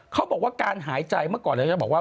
เขาบอกว่าการหายใจเมื่อก่อนเราจะบอกว่า